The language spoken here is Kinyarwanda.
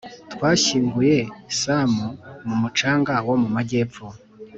twashyinguye sam mu mucanga wo mu majyepfo